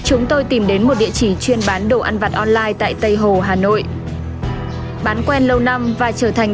ừm đấy nó vẫn thế mà